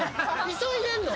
急いでんの？